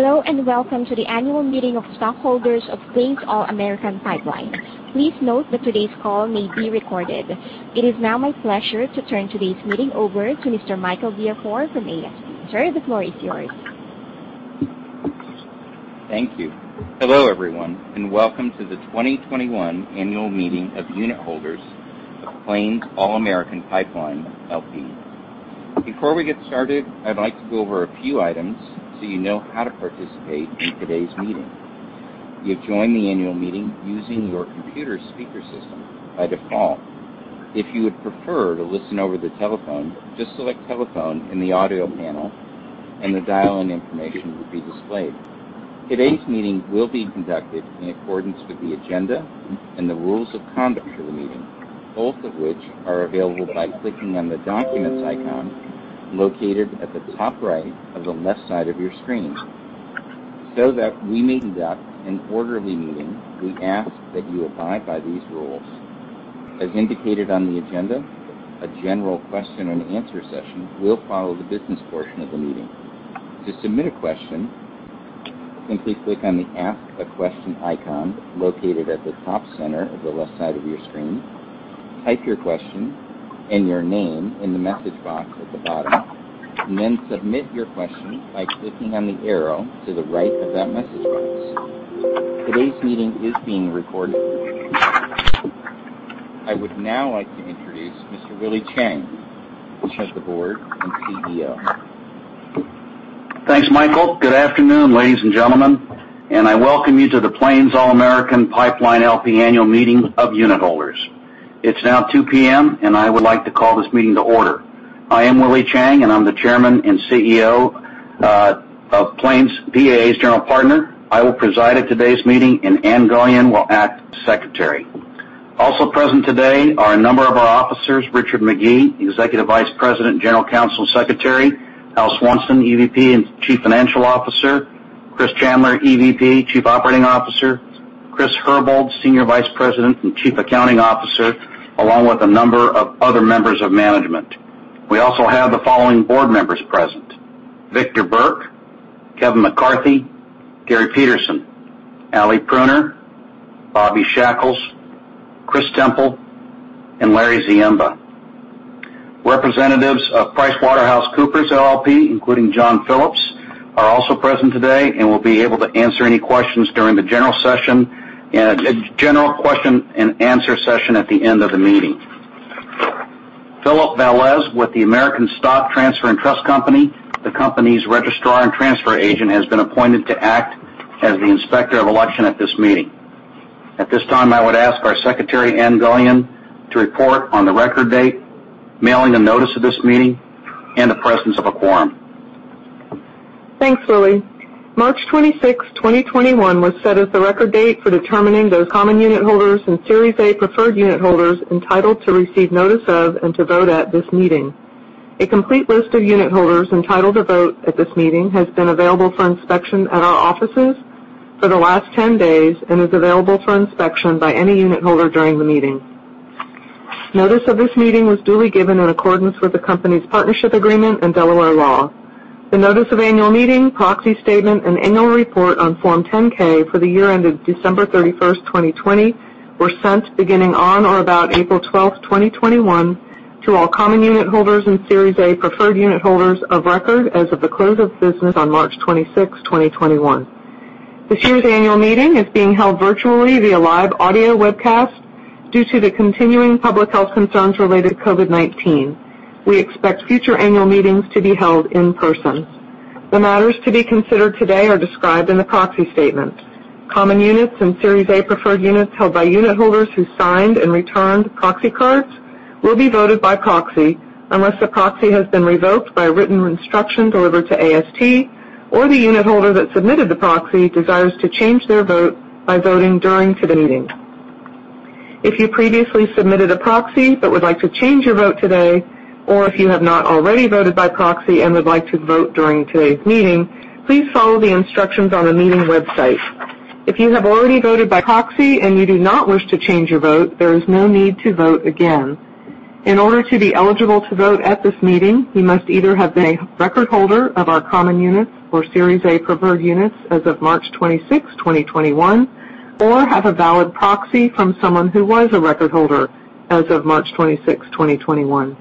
Hello, welcome to the Annual Meeting of Stockholders of Plains All American Pipeline. Please note that today's call may be recorded. It is now my pleasure to turn today's meeting over to Mr. [Michael Viafore] from. Sir, the floor is yours. Thank you. Hello, everyone, and welcome to the 2021 annual meeting of unit holders of Plains All American Pipeline, L.P. Before we get started, I'd like to go over a few items so you know how to participate in today's meeting. You've joined the annual meeting using your computer speaker system by default. If you would prefer to listen over the telephone, just select telephone in the audio panel and the dialing information will be displayed. Today's meeting will be conducted in accordance with the agenda and the rules of conduct for the meeting, both of which are available by clicking on the documents icon located at the top right of the left side of your screen. That we may conduct an orderly meeting, we ask that you abide by these rules. As indicated on the agenda, a general question and answer session will follow the business portion of the meeting. To submit a question, simply click on the ask a question icon located at the top center of the left side of your screen. Type your question and your name in the message box at the bottom, and then submit your question by clicking on the arrow to the right of that message box. Today's meeting is being recorded. I would now like to introduce Mr. Willie Chiang, the Chair of the Board and CEO. Thanks, Michael. Good afternoon, ladies and gentlemen, I welcome you to the Plains All American Pipeline, L.P. annual meeting of unit holders. It's now 2:00 P.M., I would like to call this meeting to order. I am Willie Chiang, I'm the Chairman and CEO of Plains PAA's general partner. I will preside at today's meeting, Ann Gullion will act as Secretary. Also present today are a number of our officers, Richard McGee, Executive Vice President, General Counsel, and Secretary, Al Swanson, EVP and Chief Financial Officer, Chris Chandler, EVP and Chief Operating Officer, Chris Herbold, Senior Vice President and Chief Accounting Officer, along with a number of other members of management. We also have the following board members present: Victor Burk, Kevin McCarthy, Gary Petersen, Alie Pruner, Bobby Shackouls, Chris Temple, and Larry Ziemba. Representatives of PricewaterhouseCoopers LLP, including John Phillips, are also present today and will be able to answer any questions during the general question and answer session at the end of the meeting. Philip Velez with the American Stock Transfer and Trust Company, the company's registrar and transfer agent, has been appointed to act as the inspector of election at this meeting. At this time, I would ask our Secretary, Ann Gullion, to report on the record date, mailing and notice of this meeting, and the presence of a quorum. Thanks, Willie. March 26, 2021, was set as the record date for determining those common unit holders and Series A preferred unit holders entitled to receive notice of and to vote at this meeting. A complete list of unit holders entitled to vote at this meeting has been available for inspection at our offices for the last 10 days and is available for inspection by any unit holder during the meeting. Notice of this meeting was duly given in accordance with the company's partnership agreement and Delaware law. The notice of annual meeting, proxy statement, and annual report on Form 10-K for the year ended December 31st, 2020, were sent beginning on or about April 12, 2021, to all common unit holders and Series A preferred unit holders of record as of the close of business on March 26, 2021. This year's annual meeting is being held virtually via live audio webcast due to the continuing public health concerns related to COVID-19. We expect future annual meetings to be held in person. The matters to be considered today are described in the proxy statement. Common units and Series A preferred units held by unit holders who signed and returned proxy cards will be voted by proxy unless the proxy has been revoked by written instruction delivered to AST or the unit holder that submitted the proxy desires to change their vote by voting during today's meeting. If you previously submitted a proxy but would like to change your vote today, or if you have not already voted by proxy and would like to vote during today's meeting, please follow the instructions on the meeting website. If you have already voted by proxy and you do not wish to change your vote, there is no need to vote again. In order to be eligible to vote at this meeting, you must either have been a record holder of our common units or Series A preferred units as of March 26, 2021, or have a valid proxy from someone who was a record holder as of March 26, 2021.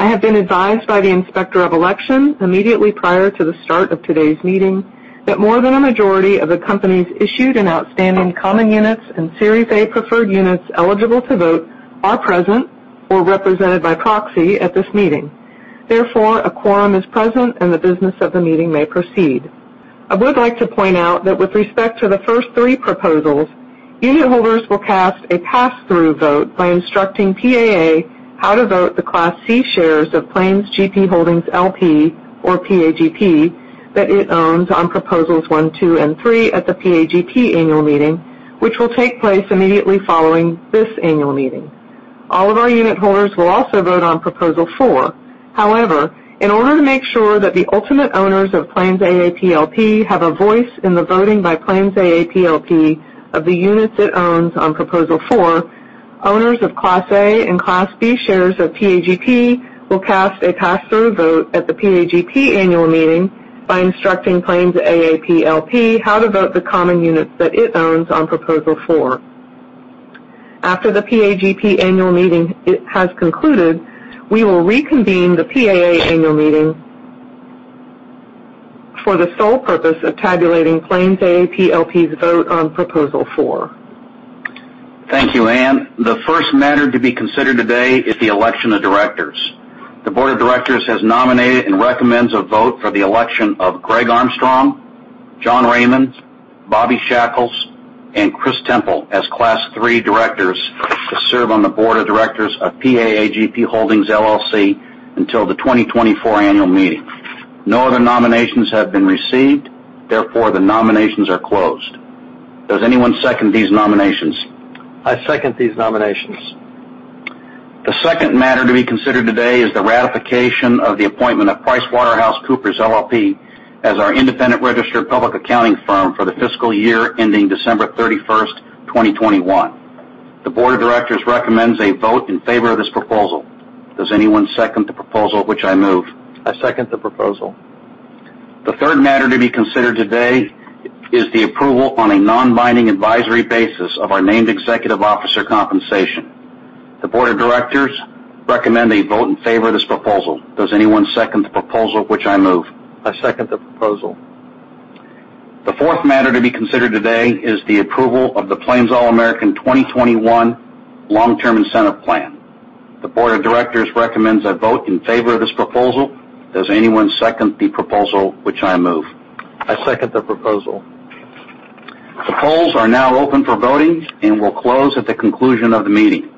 I have been advised by the Inspector of Elections immediately prior to the start of today's meeting that more than a majority of the company's issued and outstanding common units and Series A preferred units eligible to vote are present or represented by proxy at this meeting. Therefore, a quorum is present, and the business of the meeting may proceed. I would like to point out that with respect to the first three proposals, unit holders will cast a pass-through vote by instructing PAA how to vote the Class C shares of Plains GP Holdings, L.P. or PAGP that it owns on Proposals One, Two, and Three at the PAGP annual meeting, which will take place immediately following this annual meeting. All of our unit holders will also vote on Proposal Four. However, in order to make sure that the ultimate owners of Plains AAP, L.P. have a voice in the voting by Plains AAP, L.P. of the units it owns on Proposal Four, Owners of Class A and Class B shares of PAGP will cast a pass-through vote at the PAGP annual meeting by instructing Plains AAP, L.P. how to vote the common units that it owns on Proposal Four. After the PAGP annual meeting has concluded, we will reconvene the PAA annual meeting for the sole purpose of tabulating Plains AAP, L.P.'s vote on Proposal Four. Thank you, Ann. The first matter to be considered today is the election of directors. The board of directors has nominated and recommends a vote for the election of Greg Armstrong, John Raymond, Bobby Shackouls, and Chris Temple as Class III directors to serve on the board of directors of PAA GP Holdings LLC until the 2024 annual meeting. No other nominations have been received, therefore, the nominations are closed. Does anyone second these nominations? I second these nominations. The second matter to be considered today is the ratification of the appointment of PricewaterhouseCoopers LLP as our independent registered public accounting firm for the fiscal year ending December 31st, 2021. The board of directors recommends a vote in favor of this proposal. Does anyone second the proposal, which I move? I second the proposal. The third matter to be considered today is the approval on a non-binding advisory basis of our named executive officer compensation. The Board of Directors recommend a vote in favor of this proposal. Does anyone second the proposal, which I move? I second the proposal. The fourth matter to be considered today is the approval of the Plains All American 2021 Long-Term Incentive Plan. The Board of Directors recommends a vote in favor of this proposal. Does anyone second the proposal, which I move? I second the proposal. The polls are now open for voting and will close at the conclusion of the meeting.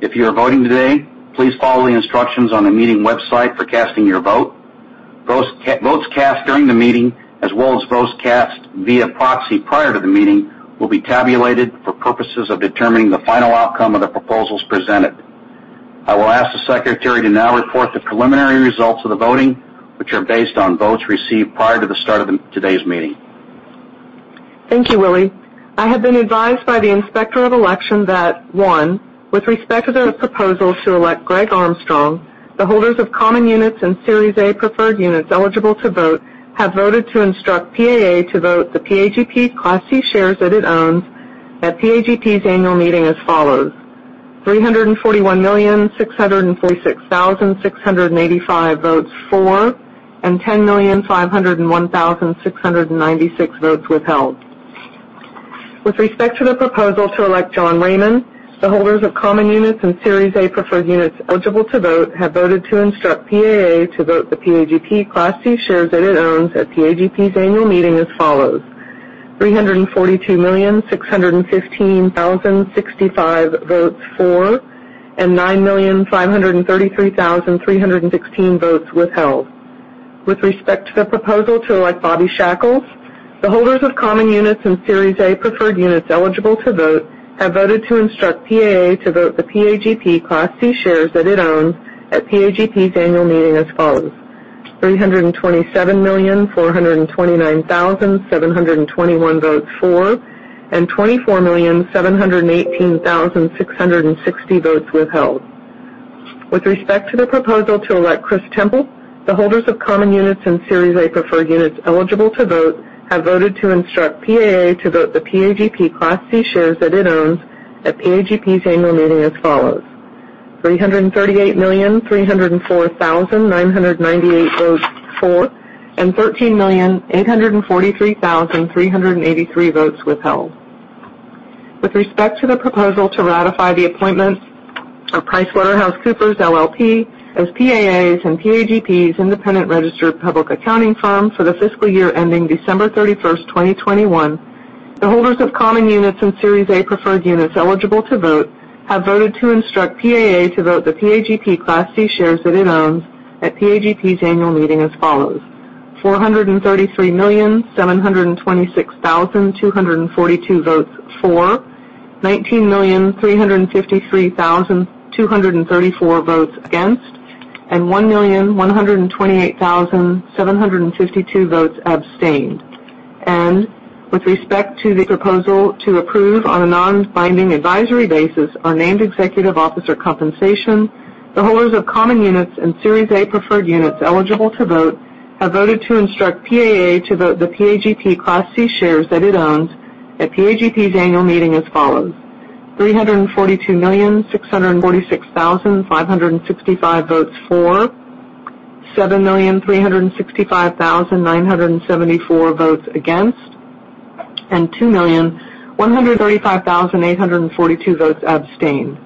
If you are voting today, please follow the instructions on the meeting website for casting your vote. Votes cast during the meeting, as well as votes cast via proxy prior to the meeting, will be tabulated for purposes of determining the final outcome of the proposals presented. I will ask the Secretary to now report the preliminary results of the voting, which are based on votes received prior to the start of today's meeting. Thank you, Willie. I have been advised by the Inspector of Election that, one, with respect to the proposal to elect Greg Armstrong, the holders of common units and Series A preferred units eligible to vote have voted to instruct PAA to vote the PAGP Class C shares that it owns at PAGP's annual meeting as follows: 341,646,685 votes for and 10,501,696 votes withheld. With respect to the proposal to elect John Raymond, the holders of common units and Series A preferred units eligible to vote have voted to instruct PAA to vote the PAGP Class C shares that it owns at PAGP's annual meeting as follows: 342,615,065 votes for and 9,533,316 votes withheld. With respect to the proposal to elect Bobby Shackouls, the holders of common units and Series A preferred units eligible to vote have voted to instruct PAA to vote the PAGP Class C shares that it owns at PAGP's annual meeting as follows: 327,429,721 votes for and 24,718,660 votes withheld. With respect to the proposal to elect Chris Temple, the holders of common units and Series A preferred units eligible to vote have voted to instruct PAA to vote the PAGP Class C shares that it owns at PAGP's annual meeting as follows: 338,304,998 votes for and 13,843,383 votes withheld. With respect to the proposal to ratify the appointment of PricewaterhouseCoopers LLP as PAA's and PAGP's independent registered public accounting firm for the fiscal year ending December 31st, 2021, the holders of common units and Series A preferred units eligible to vote have voted to instruct PAA to vote the PAGP Class C shares that it owns at PAGP's annual meeting as follows: 433,726,242 votes for, 19,353,234 votes against, and 1,128,752 votes abstained. With respect to the proposal to approve on a non-binding advisory basis our named executive officer compensation, the holders of common units and Series A preferred units eligible to vote have voted to instruct PAA to vote the PAGP Class C shares that it owns at PAGP's annual meeting as follows: 342,646,565 votes for, 7,365,974 votes against, and 2,135,842 votes abstained.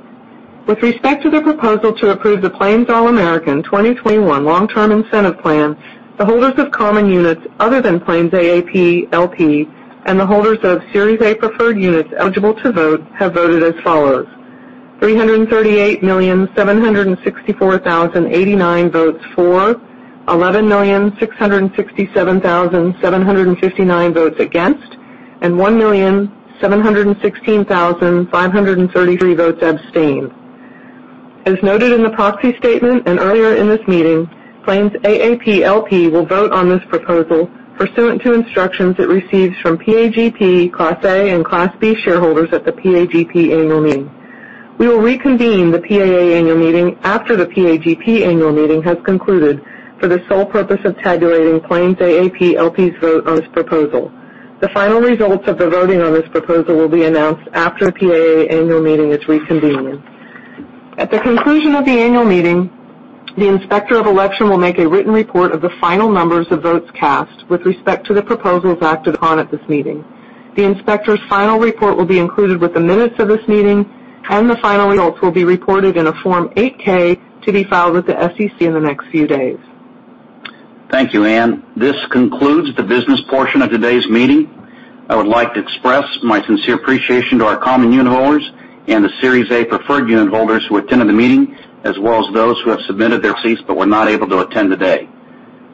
With respect to the proposal to approve the Plains All American 2021 Long-Term Incentive Plan, the holders of common units other than Plains AAP, L.P. and the holders of Series A preferred units eligible to vote have voted as follows: 338,764,089 votes for, 11,667,759 votes against, and 1,716,533 votes abstained. As noted in the proxy statement and earlier in this meeting, Plains AAP, L.P. will vote on this proposal pursuant to instructions it receives from PAGP Class A and Class B shareholders at the PAGP annual meeting. We will reconvene the PAA annual meeting after the PAGP annual meeting has concluded for the sole purpose of tabulating Plains AAP, L.P.'s vote on this proposal. The final results of the voting on this proposal will be announced after PAA annual meeting is reconvened. At the conclusion of the annual meeting, the inspector of election will make a written report of the final numbers of votes cast with respect to the proposals acted on at this meeting. The inspector's final report will be included with the minutes of this meeting, and the final results will be reported in a Form 8-K to be filed with the SEC in the next few days. Thank you, Ann. This concludes the business portion of today's meeting. I would like to express my sincere appreciation to our common unitholders and the Series A preferred unitholders who attended the meeting, as well as those who have submitted their receipts but were not able to attend today.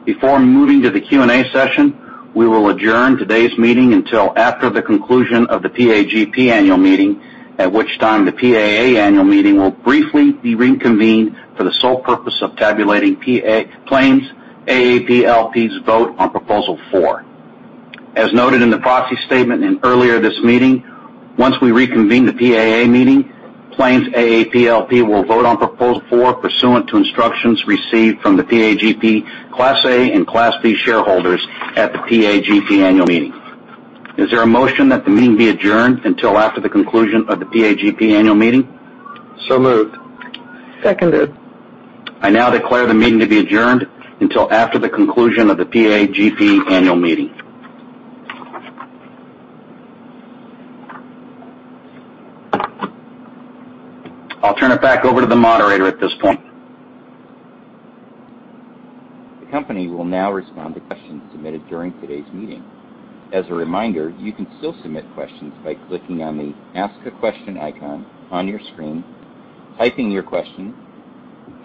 Before moving to the Q&A session, we will adjourn today's meeting until after the conclusion of the PAGP annual meeting, at which time the PAA annual meeting will briefly be reconvened for the sole purpose of tabulating Plains AAP, L.P.'s vote on Proposal Four. As noted in the proxy statement and earlier this meeting, once we reconvene the PAA meeting, Plains AAP, L.P. will vote on Proposal Four pursuant to instructions received from the PAGP Class A and Class B shareholders at the PAGP annual meeting. Is there a motion that the meeting be adjourned until after the conclusion of the PAGP annual meeting? So moved. Seconded. I now declare the meeting to be adjourned until after the conclusion of the PAGP annual meeting. I'll turn it back over to the moderator at this point. The company will now respond to questions submitted during today's meeting. As a reminder, you can still submit questions by clicking on the Ask a Question icon on your screen, typing your question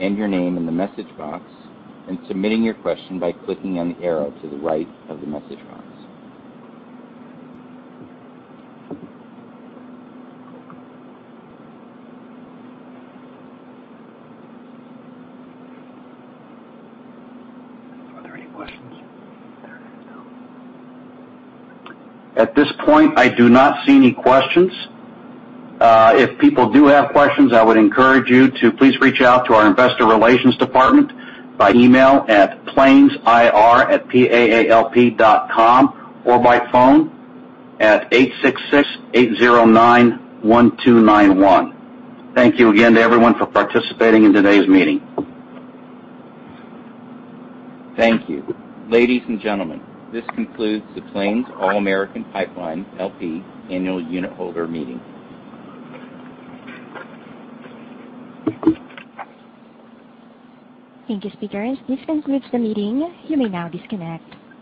and your name in the message box, and submitting your question by clicking on the arrow to the right of the message box. Are there any questions? There are no questions. At this point, I do not see any questions. If people do have questions, I would encourage you to please reach out to our investor relations department by email at PlainsIR@plains.com or by phone at 866-809-1291. Thank you again to everyone for participating in today's meeting. Thank you. Ladies and gentlemen, this concludes the Plains All American Pipeline, L.P. annual unitholder meeting. Thank you, speakers. This concludes the meeting. You may now disconnect.